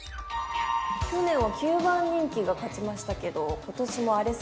去年は９番人気が勝ちましたけど今年も荒れそうですか？